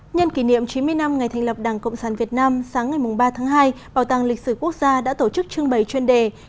nhân kỷ niệm chín mươi năm ngày thành lập đảng cộng sản việt nam sáng ngày ba tháng hai bảo tàng lịch sử quốc gia đã tổ chức trưng bày chuyên đề